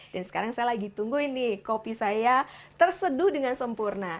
dan sekarang saya lagi tunggu ini kopi saya terseduh dengan sempurna